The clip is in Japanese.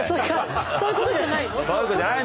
そういうことじゃないの？